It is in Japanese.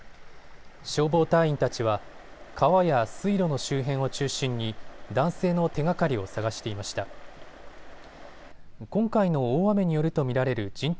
消防隊員たちは川や水路の周辺を中心に男性の手がかりをさがしていました。